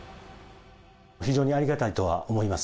非常にありがたいとは思います。